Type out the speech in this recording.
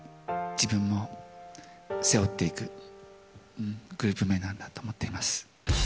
自分も背負っていくグループ名なんだなと思っています。